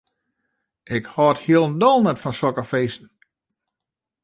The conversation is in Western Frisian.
Ik hâld hielendal net fan sokke feesten.